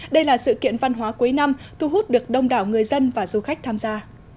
đây là sự kiện văn hóa cuối năm thu hút được đông đảo người dân và du khách tham gia